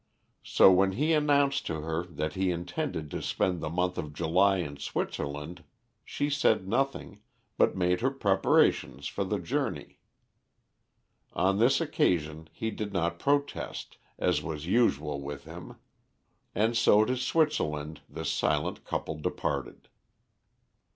So, when he announced to her that he intended to spend the month of July in Switzerland, she said nothing, but made her preparations for the journey. On this occasion he did not protest, as was usual with him, and so to Switzerland this silent couple departed.